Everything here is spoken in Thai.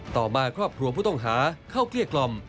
ต่อมาครอบครัวผู้ต้องหาเข้าเกลี้ยกล่อม